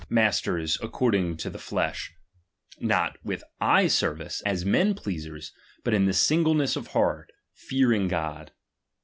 . masters according to the flesh, not with eye sermce, as men pleasers, but in singleness of heart, fearing God.